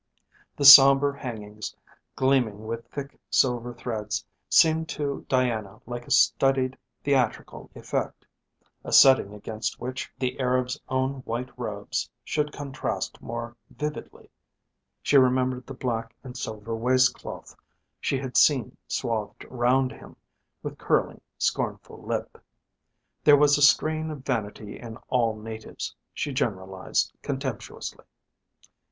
The somber hangings gleaming with thick silver threads seemed to Diana like a studied theatrical effect, a setting against which the Arab's own white robes should contrast more vividly; she remembered the black and silver waistcloth she had seen swathed round him, with curling scornful lip. There was a strain of vanity in all natives, she generalised contemptuously.